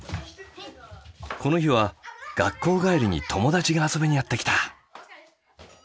この日は学校帰りに友達が遊びにやって来た。